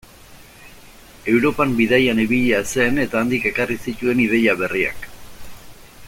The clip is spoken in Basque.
Europan bidaian ibilia zen eta handik ekarri zituen ideia berriak.